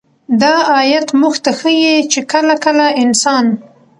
دا آيت موږ ته ښيي چې كله كله انسان